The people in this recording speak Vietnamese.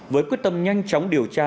với quyết tâm nhanh chóng điều tra